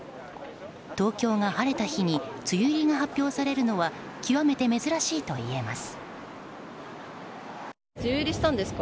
東京が晴れた日に梅雨入りが発表されるのは極めて珍しいといえます。